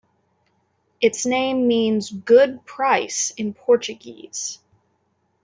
Its name means "good price" in Portuguese.